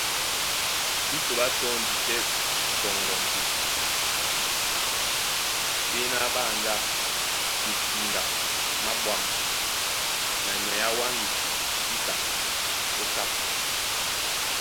Bíto ɓá tɔ́ndi tɛ́ pɔŋgɔ m̀pesa, ɓá ená ɓá andá misiŋga má ɓwǎm̀ na nyay a wáŋgisi jǐta ó sápi.